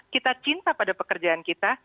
kita cinta pada pekerjaan kita